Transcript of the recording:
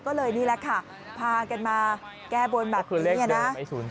ก็เลยนี่แหละค่ะพากันมาแก้บนแบบนี้เนี่ยนะ